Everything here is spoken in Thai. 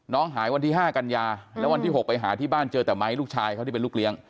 หายวันที่๕กันยาแล้ววันที่๖ไปหาที่บ้านเจอแต่ไม้ลูกชายเขาที่เป็นลูกเลี้ยง